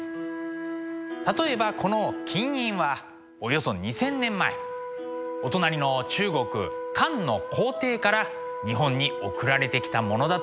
例えばこの金印はおよそ２，０００年前お隣の中国漢の皇帝から日本に送られてきたものだといわれていますね。